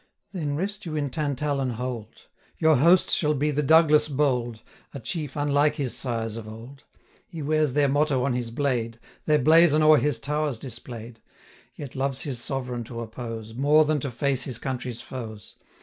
Then rest you in Tantallon Hold; Your host shall be the Douglas bold, 430 A chief unlike his sires of old. He wears their motto on his blade, Their blazon o'er his towers display'd; Yet loves his sovereign to oppose, More than to face his country's foes.